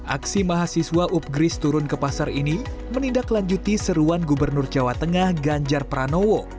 aksi mahasiswa upgris turun ke pasar ini menindaklanjuti seruan gubernur jawa tengah ganjar pranowo